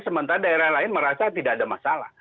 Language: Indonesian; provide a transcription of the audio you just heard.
sementara daerah lain merasa tidak ada masalah